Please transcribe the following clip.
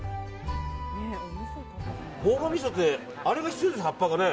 朴葉みそってあれが必要ですよね、葉っぱがね。